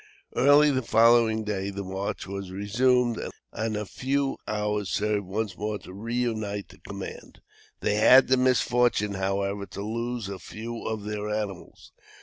Early the following day the march was resumed, and a few hours served once more to reunite the command. They had the misfortune, however, to lose a few of their animals.